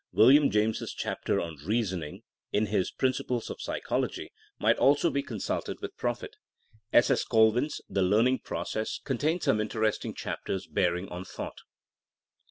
William James' chapter on Reasoning in his Principles of Psychology might also be con sulted with profit. S. S. Colvin's, The Learn ing Process contains some interesting chapters bearing on thought.